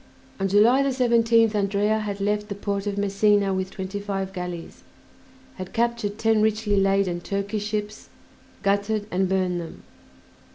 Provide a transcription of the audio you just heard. On July 17th Andrea had left the port of Messina with twenty five galleys, had captured ten richly laden Turkish ships, gutted and burned them.